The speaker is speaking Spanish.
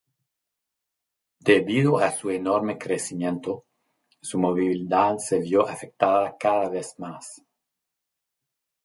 Debido a su enorme crecimiento, su movilidad se vio afectada cada vez más.